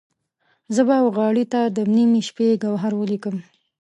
زه به وغاړې ته د نیمې شپې، ګوهر ولیکم